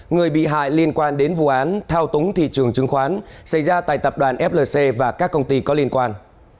người bị hại liên quan đến vụ án thao túng thị trường chứng khoán xảy ra tại tập đoàn flc và các công ty có liên quan